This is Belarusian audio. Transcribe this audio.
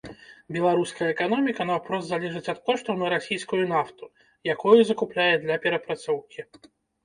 Беларуская эканоміка наўпрост залежыць ад коштаў на расійскую нафту, якую закупляе для перапрацоўкі.